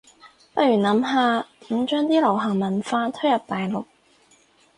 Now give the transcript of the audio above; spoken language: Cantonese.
不如諗下點將啲流行文化推入大陸